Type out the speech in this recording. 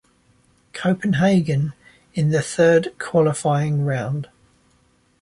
Copenhagen in the third qualifying round.